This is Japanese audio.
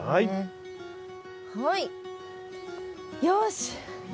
よし！